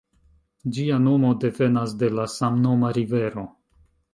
Ĝia nomo devenas de la samnoma rivero.